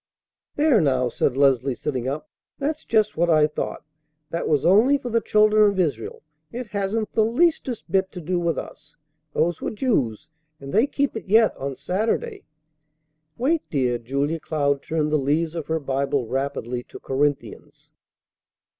'" "There! Now!" said Leslie, sitting up. "That's just what I thought! That was only for the children of Israel. It hasn't the leastest bit to do with us. Those were Jews, and they keep it yet, on Saturday." "Wait, dear!" Julia Cloud turned the leaves of her Bible rapidly to Corinthians.